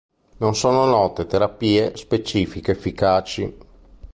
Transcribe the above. Non sono note terapie specifiche efficaci.